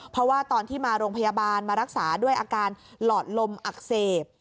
เพราะว่าตอนที่มาโรงพยาบาลมารักษาด้วยอาการหลอดลมอักเสบ